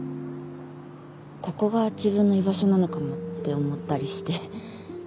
「ここが自分の居場所なのかも」って思ったりして。